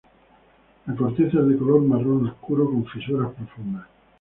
La corteza es de color marrón oscuro, con fisuras profundas.